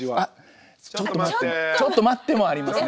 「ちょっと待って」もありますね。